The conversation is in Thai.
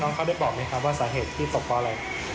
เขาได้บอกไหมครับว่าสาเหตุที่ตกเพราะอะไร